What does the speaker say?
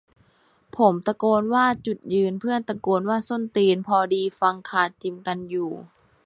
ผมตะโกนว่าจุดยืน เพื่อนตะโกนว่าส้นตีน พอดีฟังดาจิมกันอยู่